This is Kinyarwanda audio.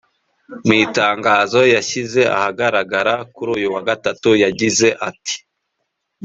Mu itangazo yashyize ahagaragara kuri uyu wa Gatatu yagize ati